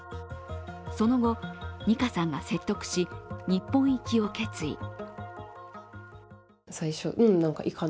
その後、虹夏さんが説得し、日本行きを決意。